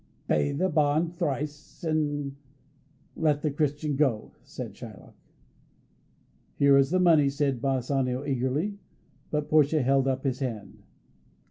"Pay the bond thrice and let the Christian go," said Shylock. "Here is the money," said Bassanio eagerly; but Portia held up her hand.